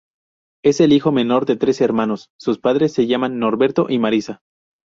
Es el hijo menor de tres hermanos, sus padres se llaman Norberto y Marisa.